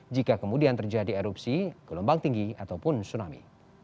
jika kemudian terjadi erupsi gelombang tinggi ataupun tsunami